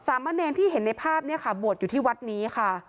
มะเนรที่เห็นในภาพเนี่ยค่ะบวชอยู่ที่วัดนี้ค่ะ